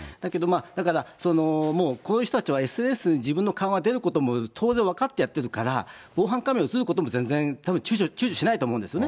だから、その、もうこういう人たちはＳＮＳに自分の顔が出ることも当然分かってやっているから、防犯カメラ写ることも全然たぶん、ちゅうちょしないと思うんですよね。